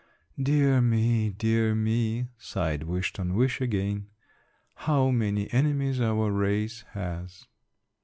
"Dear me, dear me," sighed Wish ton wish again, "how many enemies our race has!"